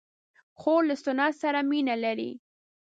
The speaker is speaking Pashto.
خور له سنت سره مینه لري.